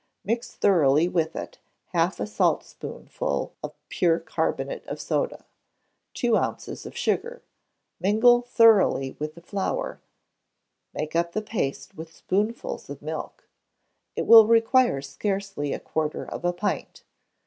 Mix thoroughly with it half a saltspoonful of pure carbonate of soda, two ounces of sugar; mingle thoroughly with the flour, make up the paste with spoonfuls of milk; it will require scarcely a quarter of a pint.